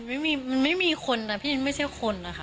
มันไม่มีคนนะพี่ไม่เชื่อคนอะค่ะ